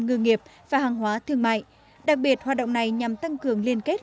ngư nghiệp và hàng hóa thương mại đặc biệt hoạt động này nhằm tăng cường liên kết